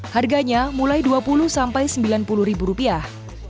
harganya mulai dua puluh sampai sembilan puluh ribu rupiah